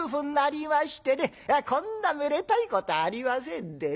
こんなめでたいことはありませんでね